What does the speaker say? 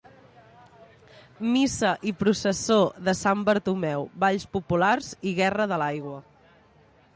Missa i processó de Sant Bartomeu, balls populars i guerra de l'aigua.